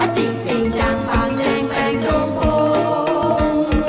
อาจิงเพียงจังฝังแจงแปลงโตโภง